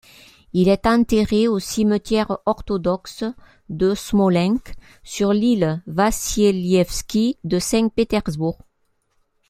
Il est enterré au Cimetière orthodoxe de Smolensk sur l'île Vassilievski de Saint-Pétersbourg.